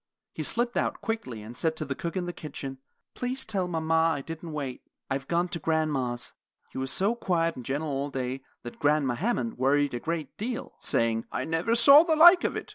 He slipped out quickly, and said to the cook in the kitchen, "Please tell mama I didn't wait; I've gone to grandma's." He was so quiet and gentle all day that Grandma Hammond worried a great deal, saying: "I never saw the like of it.